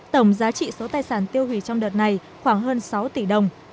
tổng giá trị số tài sản tiêu hủy trong đợt này khoảng hơn sáu tỷ đồng